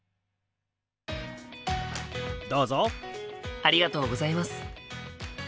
ありがとうございます。